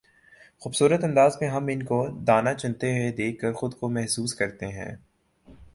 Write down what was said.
خوبصورت انداز میں ہم ان کو دانہ چنتے ہوئے دیکھ کر خود کو محظوظ کرتے ہیں